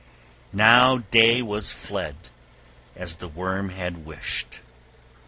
Now day was fled as the worm had wished.